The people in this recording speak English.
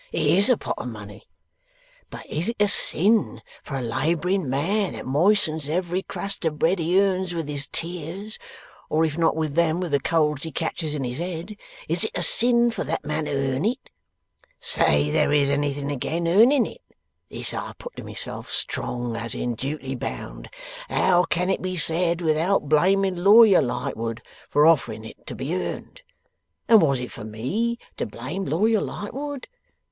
'"It is a pot of money; but is it a sin for a labouring man that moistens every crust of bread he earns, with his tears or if not with them, with the colds he catches in his head is it a sin for that man to earn it? Say there is anything again earning it." This I put to myself strong, as in duty bound; "how can it be said without blaming Lawyer Lightwood for offering it to be earned?" And was it for ME to blame Lawyer Lightwood?